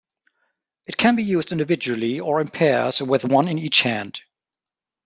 It can be used individually or in pairs, with one in each hand.